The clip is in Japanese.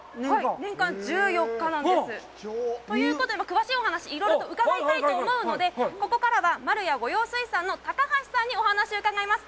年間１４日なんです。ということで、詳しいお話、いろいろと伺いたいと思うので、ここからは、マルヤ五洋水産の高橋さんにお話を伺います。